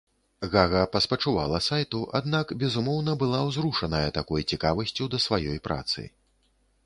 Гага паспачувала сайту, аднак, безумоўна, была ўзрушаная такой цікавасцю да сваёй працы.